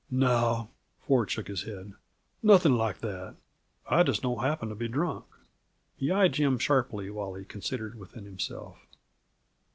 "No" Ford shook his head "nothing like that. I just don't happen to be drunk." He eyed Jim sharply while he considered within himself.